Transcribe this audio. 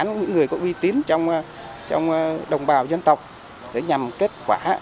những người có uy tín trong đồng bào dân tộc để nhằm kết quả